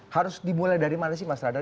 harus dimulai dari mana sih mas radar